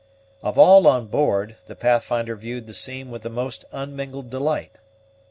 Of all on board, the Pathfinder viewed the scene with the most unmingled delight.